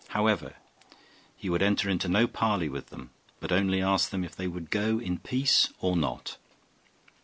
However, he would enter into no parley with them, but only asked them if they would go in peace or not.